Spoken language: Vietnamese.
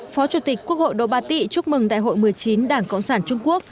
phó chủ tịch quốc hội đỗ ba tị chúc mừng đại hội một mươi chín đảng cộng sản trung quốc